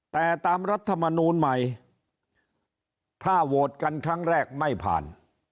แต่ตามรัฐมนูลใหม่ถ้าโหวตกันครั้งแรกไม่ผ่าน